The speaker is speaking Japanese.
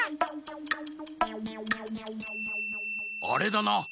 あれだな。